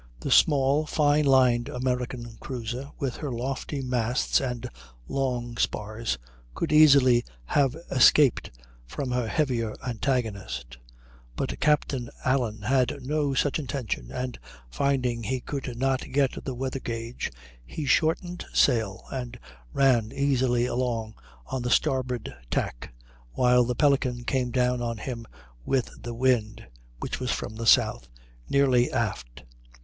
The small, fine lined American cruiser, with her lofty masts and long spars, could easily have escaped from her heavier antagonist: but Captain Allen had no such intention, and, finding he could not get the weather gage, he shortened sail and ran easily along on the starboard tack, while the Pelican came down on him with the wind (which was from the south) nearly aft.